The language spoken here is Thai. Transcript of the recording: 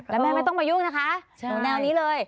แล้วแม่ไม่ต้องมายุ่งนะคะหนูแนวนี้เลย